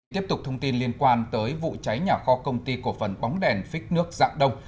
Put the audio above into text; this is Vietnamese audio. tiếp tục thông tin liên quan tới vụ cháy nhà kho công ty cổ phần bóng đèn phích nước dạng đông